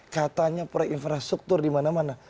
katanya proyek infrastruktur dimana mana